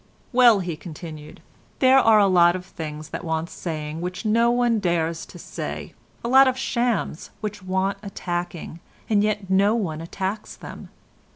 "Well," he continued, "there are a lot of things that want saying which no one dares to say, a lot of shams which want attacking, and yet no one attacks them.